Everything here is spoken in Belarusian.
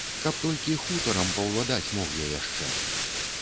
Каб толькі хутарам паўладаць мог я яшчэ.